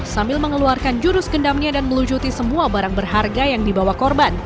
sambil mengeluarkan jurus gendamnya dan melucuti semua barang berharga yang dibawa korban